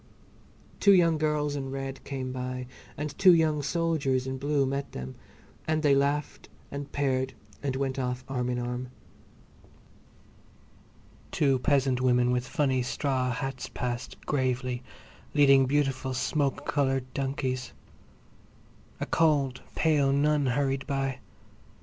Two young girls in red came by and two young soldiers in blue met them, and they laughed and paired and went off arm in arm. Two peasant women with funny straw hats passed, gravely, leading beautiful smoke coloured donkeys. A cold, pale nun hurried by.